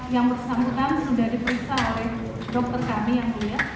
yang bersangkutan sudah diperiksa oleh dokter kami yang mulia